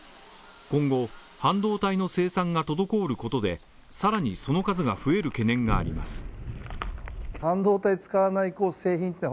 今後、半導体の生産が滞ることで更に、その数が増える懸念があります。